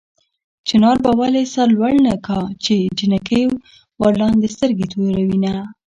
چنار به ولې سر لوړ نه کا چې جنکۍ ورلاندې سترګې توروينه